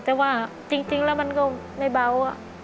แต่ว่าจริงแล้วมันก็ไม่เบา